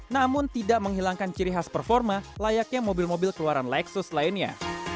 namun tidak menghilangkan ciri khas performa layaknya mobil mobil keluaran leksus lainnya